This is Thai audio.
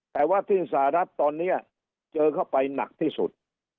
แต่ว่าที่สหรัฐตอนนี้เจอเข้าไปหนักที่สุด